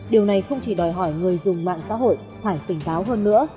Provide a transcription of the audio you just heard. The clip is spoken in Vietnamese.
điều này không chỉ đòi hỏi người dùng mạng xã hội phải tỉnh táo hơn nữa